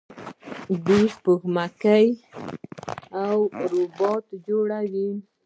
دوی سپوږمکۍ او روباټونه جوړوي.